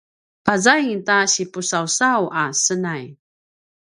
pazaing ta sipusausaw a senay